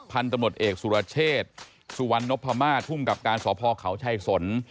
พันธุ์ตำรวจเอกสุรเชษสุวรรณพม่าทุ่มกับการสอบพ่อเขาช่ายสน